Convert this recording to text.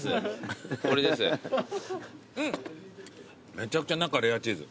めちゃくちゃ中レアチーズ。